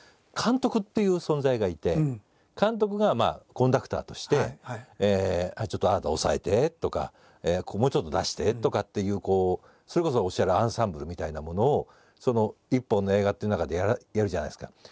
監督っていう存在がいて監督がコンダクターとして「ちょっとあなた抑えて」とか「ここもうちょっと出して」とかっていうそれこそおっしゃるアンサンブルみたいなものを一本の映画っていう中でやるじゃないですか。